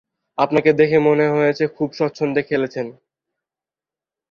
আপনাকে দেখে মনে হয়েছে খুব স্বচ্ছন্দে খেলছেন।